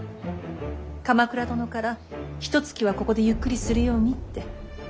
鎌倉殿からひとつきはここでゆっくりするようにって。